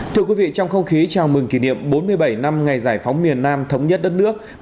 thưa quý vị trong không khí chào mừng kỷ niệm bốn mươi bảy năm ngày giải phóng miền nam thống nhất đất nước